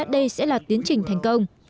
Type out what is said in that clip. đây sẽ là tiến trình thành công